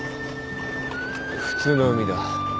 普通の海だ